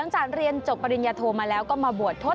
หลังจากเรียนประวัติปริญญาโทมาแล้วก็มาบวชทศ